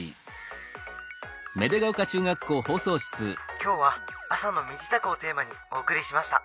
「今日は朝の身支度をテーマにお送りしました。